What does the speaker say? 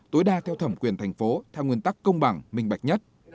tối đa theo thẩm quyền thành phố theo nguyên tắc công bằng minh bạch nhất